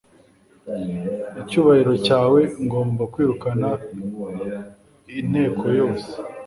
icyubahiro cyawe, ngomba kwirukana inteko yose